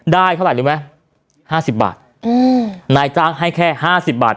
ได้เท่าไหร่รึไหม๕๐บาทนายจ้างให้แค่๕๐บาท